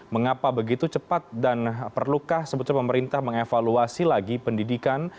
mengapa begitu cepat dan perlukah sebetulnya pemerintah mengevaluasi lagi pendidikan